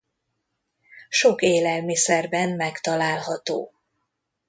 Sok élelmiszerben megtalálható.